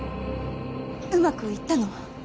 うまくいったの？